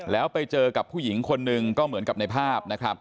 แล้วไปเจอกับผู้หญิงคนหนึ่งก็เหมือนกับในภาพนะครับ